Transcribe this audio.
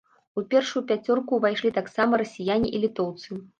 У першую пяцёрку ўвайшлі таксама расіяне і літоўцы.